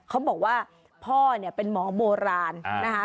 เขาบอกว่าพ่อเป็นหมอโบราณนะฮะ